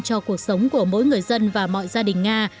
cho cuộc sống của mỗi người dân và mọi gia đình nga